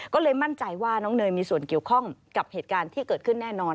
ก็เลยมั่นใจว่าน้องเนยมีส่วนเกี่ยวข้องกับเหตุการณ์ที่เกิดขึ้นแน่นอน